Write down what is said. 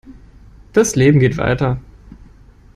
Das Leben geht weiter.